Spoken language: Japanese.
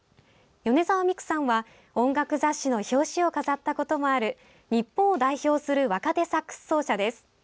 米澤美玖さんは音楽雑誌の表紙を飾ったこともある日本を代表する若手サックス奏者です。